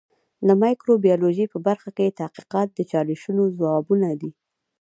د مایکروبیولوژي په برخه کې تحقیقات د چالشونو ځوابونه دي.